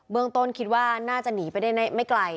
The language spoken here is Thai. เมืองต้นคิดว่าน่าจะหนีไปได้ไม่ไกล